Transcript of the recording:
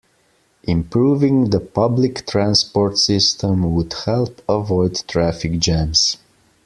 Improving the public transport system would help avoid traffic jams.